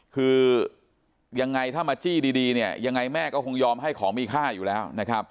คือยังไงถ้ามาจี้ดีแม่ก็คงยอมให้ของมีค่าอยู่แล้ว